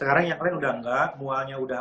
sekarang yang lain udah enggak mualnya udah